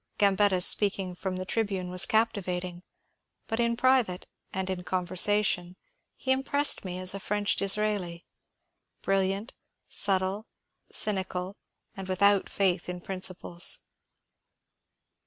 Grambet ta's speaking from the tribune was captivating, but in private and in conversation he impressed me as a French Disraeli, — brilliant, subtle, cynical, and without faith in principles.